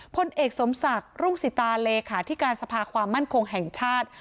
พลเอกสมศักดิ์รุ่งสิตาเลขาธิการสภาความมั่นคงแห่งชาติ